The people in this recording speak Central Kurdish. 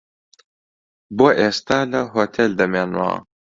بۆ ئێستا لە هۆتێل دەمێنمەوە.